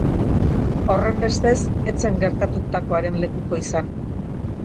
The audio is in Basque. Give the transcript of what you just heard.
Horrenbestez, ez zen gertatutakoaren lekuko izan.